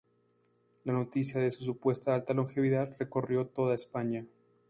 La noticia de su supuesta alta longevidad recorrió toda España.